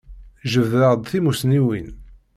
Jebdeɣ-d timussniwin.